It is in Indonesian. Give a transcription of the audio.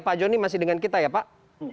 pak joni masih dengan kita ya pak